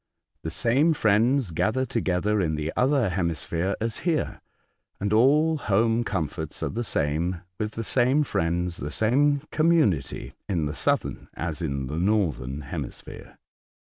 The same friends gather together in the other hemisphere as here, and all home comforts are the same, with the same friends, the same community in the southern as in the northern hemisphere.